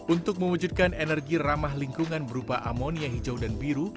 untuk mewujudkan energi ramah lingkungan berupa amonia hijau dan biru